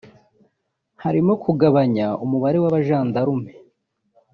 harimo kugabanya umubare w’abajandarume